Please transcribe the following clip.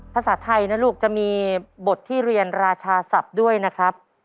ภาษาไทยนะลูกจะมีบทที่เรียนราชาศัพท์ด้วยนะครับ